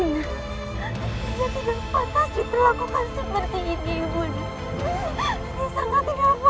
tidak patah sih terlakukan seperti ini ibu nek